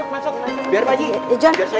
masuk masuk masuk